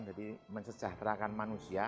jadi mencecahterakan manusia